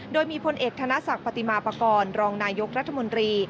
โดยมีพลเอกธนศักดิ์ปฏิมาปากรรองนายกรัฐมนตรี